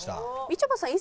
みちょぱさん